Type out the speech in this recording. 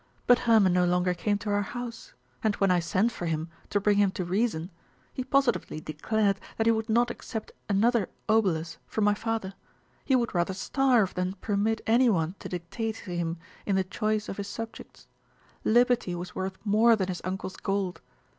But Hermon no longer came to our house, and when I sent for him to bring him to reason, he positively declared that he would not accept another obolus from my father he would rather starve than permit any one to dictate to him in the choice of his subjects. Liberty was worth more than his uncle's gold.